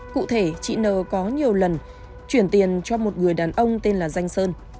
cụ thể chị n có nhiều lần chuyển tiền cho một người đàn ông tên là danh sơn